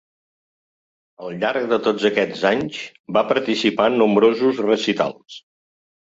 Al llarg de tots aquests anys va participar en nombrosos recitals.